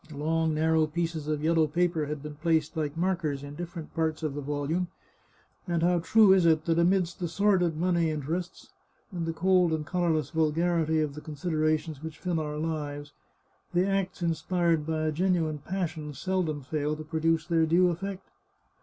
Long narrow pieces of yellow paper had been placed, like markers, in different parts of the volume, and how true is it that amidst the sordid money in terests, and the cold and colourless vulgarity of the consid erations which fill our lives, the acts inspired by a genuine passion seldom fail to produce their due eflfect!